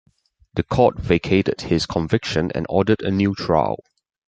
The Court vacated his conviction and ordered a new trial.